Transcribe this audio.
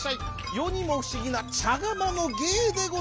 よにもふしぎなちゃがまのげいでござい。